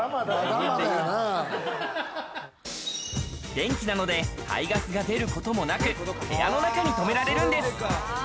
電気なので、排ガスが出ることもなく、部屋の中に止められるんです。